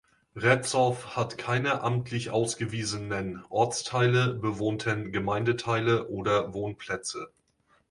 Retzow hat keine amtlich ausgewiesenen Ortsteile, bewohnten Gemeindeteile oder Wohnplätze.